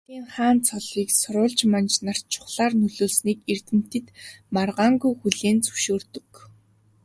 Монголын хаан цолын сурвалж манж нарт чухлаар нөлөөлснийг эрдэмтэд маргаангүй хүлээн зөвшөөрдөг.